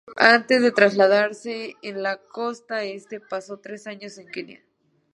Antes de trasladarse a la costa Este, paso tres años en Kenia.